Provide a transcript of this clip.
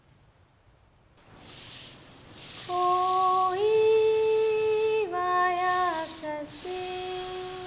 「恋はやさし」